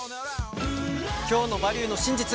今日の「バリューの真実」